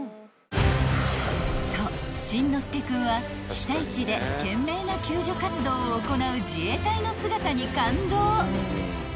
［そう心之介君は被災地で懸命な救助活動を行う自衛隊の姿に感動］